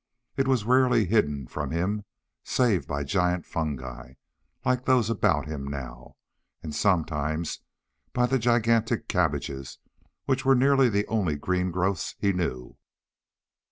It was rarely hidden from him save by giant fungi, like those about him now, and sometimes by the gigantic cabbages which were nearly the only green growths he knew.